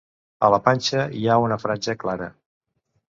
A la panxa hi ha una franja clara.